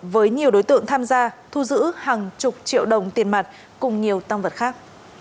với nhiều đối tượng tham gia thu giữ hàng chục triệu đồng tiền mặt cùng nhiều tăng vật khác